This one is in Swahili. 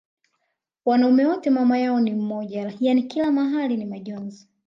wanaume wote mamayao ni mmoja yani kila mahali ni majonzi